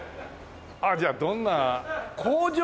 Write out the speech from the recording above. あっじゃあどんな工場？